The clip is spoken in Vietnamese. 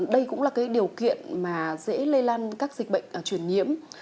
đây cũng là cái điều kiện mà dễ lây lan các dịch bệnh truyền nhiễm